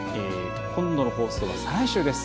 今度の放送は再来週です。